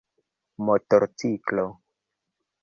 motorciklo